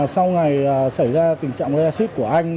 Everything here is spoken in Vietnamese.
sau ngày xảy ra tình trạng gasit của anh